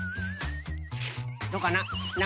どうかな？